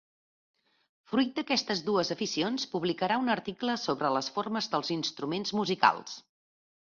Fruit d'aquestes dues aficions, publicarà un article sobre les formes dels instruments musicals.